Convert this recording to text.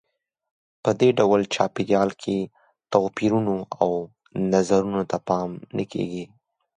په دې ډول چاپېریال کې توپیرونو او نظرونو ته پام نه کیږي.